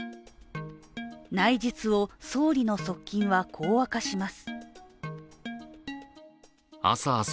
内実を総理の側近はこう明かします。